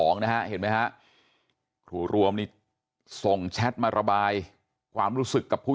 นะฮะเห็นไหมฮะครูรวมนี่ส่งแชทมาระบายความรู้สึกกับผู้